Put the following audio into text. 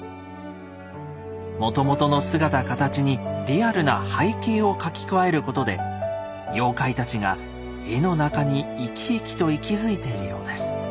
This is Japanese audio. もともとの姿形にリアルな背景を描き加えることで妖怪たちが絵の中に生き生きと息づいているようです。